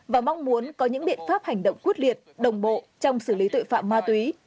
và mong muốn có những biện pháp hành động quyết liệt đồng bộ trong xử lý tội phạm ma túy